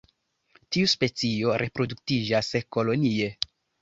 Tiu specio reproduktiĝas kolonie.